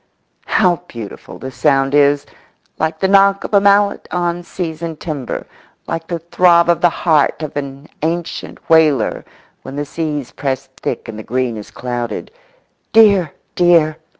How beautiful the sound is! like the knock of a mallet on seasoned timber, like the throb of the heart of an ancient whaler when the seas press thick and the green is clouded. "Dear, dear!"